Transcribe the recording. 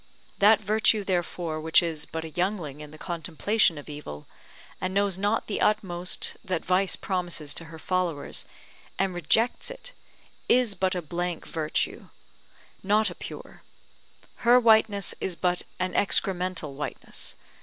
That virtue therefore which is but a youngling in the contemplation of evil, and knows not the utmost that vice promises to her followers, and rejects it, is but a blank virtue, not a pure; her whiteness is but an excremental whiteness.